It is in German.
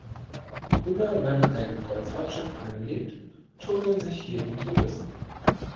Immer wenn ein Kreuzfahrtschiff anlegt, tummeln sich hier die Touristen.